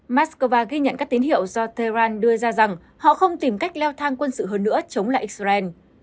moscow ghi nhận các tín hiệu do tehran đưa ra rằng họ không tìm cách leo thang quân sự hơn nữa chống lại israel